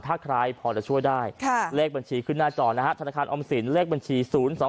ถ้าใครพอจะช่วยได้เลขบัญชีขึ้นหน้าจอนะครับธนาคารอมสินเลขบัญชี๐๒๐๑๒๒๘๗๗๓๖๖